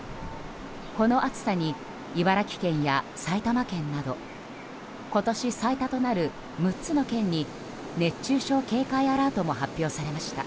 この暑さに茨城県や埼玉県など今年最多となる６つの県に熱中症警戒アラートも発令しました。